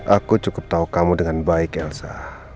aku cukup tahu kamu dengan baik elsa